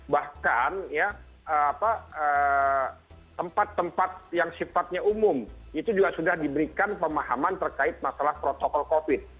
bahkan tempat tempat yang sifatnya umum itu juga sudah diberikan pemahaman terkait masalah protokol covid